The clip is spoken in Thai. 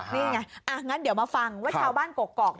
นี่ไงงั้นเดี๋ยวมาฟังว่าชาวบ้านกกอก